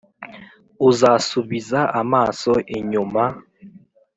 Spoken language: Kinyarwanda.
Uzasubiza amaso inyuma